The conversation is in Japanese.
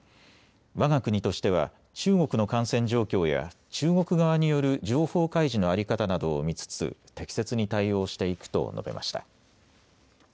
わが国としては中国の感染状況や中国側による情報開示の在り方などを見つつ適切に対応していくと述べました。